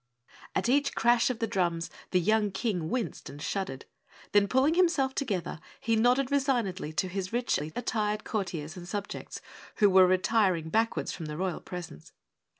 At each crash of the drums the young King winced and shuddered, then, pulling himself together, he nodded resignedly to his richly attired courtiers and subjects who were retiring backwards from the royal presence.